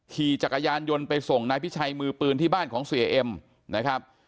ขี่จักรยานยนต์ไปส่งนายพิชัยมือปืนที่บ้านของเสียเอ็มนะครับ